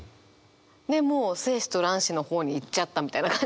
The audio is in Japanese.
でもう「精子と卵子」の方にいっちゃったみたいな感じが。